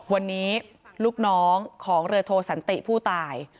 วันนี้ลูกน้องของเรือโทสันติผู้ตาย